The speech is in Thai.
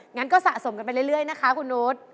งั้นก็สะสมกันไปเรื่อยนะคะคุณนุษย์